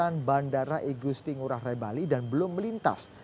kawasan bandara igusti kura rebali dan belum melintas